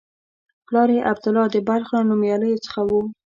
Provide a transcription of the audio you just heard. پلار یې عبدالله د بلخ له نومیالیو څخه و.